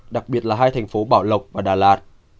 đặc biệt là hai thành phố bảo lộc và đà lạt